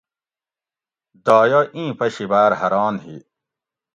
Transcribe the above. دایہ اِیں پشی باۤر حران ہی